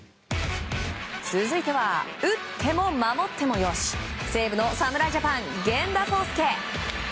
続いては、打っても守ってもよし西武の侍ジャパン、源田壮亮。